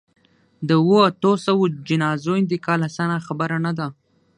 د اوو، اتو سووو جنازو انتقال اسانه خبره نه ده.